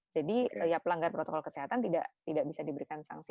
jadi pelanggar protokol kesehatan tidak bisa diberikan sanksi